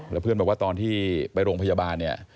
แล้วเพื่อนบอกว่าตอนที่ไปโรงพยาบาลเนี่ย